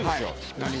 何が？